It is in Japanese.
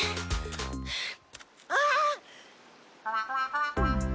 あっ！